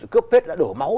cướp phết đã đổ máu